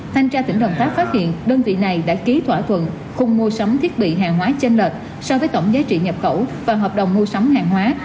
thanh tra tỉnh đồng tháp phát hiện đơn vị này đã ký thỏa thuận khung mua sắm thiết bị hàng hóa trên lệch so với tổng giá trị nhập khẩu và hợp đồng mua sắm hàng hóa